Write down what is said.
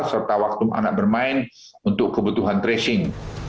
serta waktu anak bermain untuk kebutuhan tracing